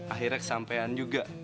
akhirnya kesampean juga